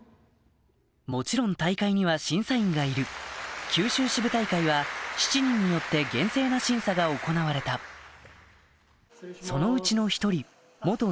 もちろん大会には審査員がいる九州支部大会は７人によって厳正な審査が行われたそのうちの一人に話を聞いた